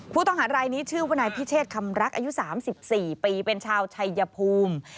ผู้ต้องหารายนี้ชื่อวนายพิเชษคำรักอายุ๓๔ปีเป็นชาวชัยภูมิ